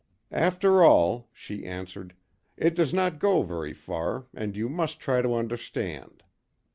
"After all," she answered, "It does not go very far, and you must try to understand.